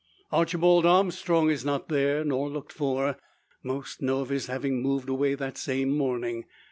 Archibald Armstrong is not there, nor looked for. Most know of his having moved away that same morning.